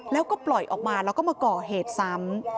แล้วก็ปล่อยออกมาแล้วก็มาก่อเหตุซ้ำ